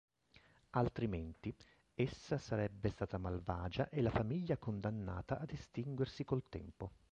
Altrimenti, essa sarebbe stata malvagia e la famiglia condannata ad estinguersi col tempo.